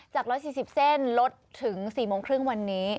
๑๔๐เส้นลดถึง๔โมงครึ่งวันนี้